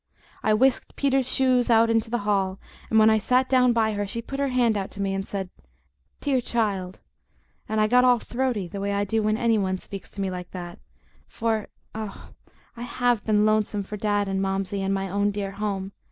I whisked Peter's shoes out into the hall, and when I sat down by her she put her hand out to me and said, "Dear child," and I got all throaty, the way I do when any one speaks like that to me, for, oh, I HAVE been lonesome for Dad and Momsey and my own dear home!